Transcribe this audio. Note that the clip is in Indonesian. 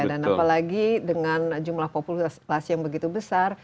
apalagi dengan jumlah populasi yang begitu besar